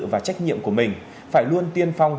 và trách nhiệm của mình phải luôn tiên phong